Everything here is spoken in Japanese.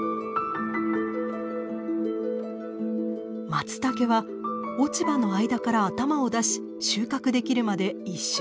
マツタケは落ち葉の間から頭を出し収穫できるまで１週間ほど。